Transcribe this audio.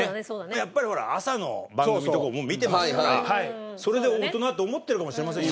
やっぱりほら朝の番組とかも見てますからそれで大人と思ってるかもしれませんよ。